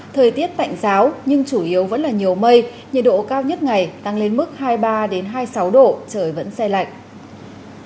thời tiết tạnh giáo nhưng chủ yếu vẫn là nhiều mây nhiệt độ cao nhất ngày tăng lên mức hai mươi ba hai mươi sáu độ trời vẫn xe lạnh